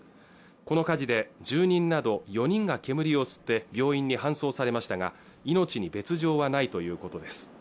この火事で住人など４人が煙を吸って病院に搬送されましたが命に別状はないということです